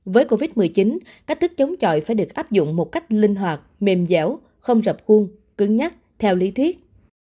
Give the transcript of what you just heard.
với covid một mươi chín cách thức chống chọi phải được áp dụng một cách linh hoạt mềm dẻo không dập khuôn nhắc theo lý thuyết